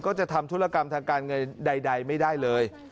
ก็จะทำธุรกรรมทางการเงินใดไม่ได้เลย